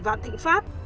vạn thịnh pháp